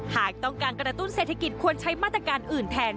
หากต้องการกระตุ้นเศรษฐกิจควรใช้มาตรการอื่นแทน